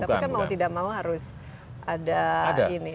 tapi kan mau tidak mau harus ada ini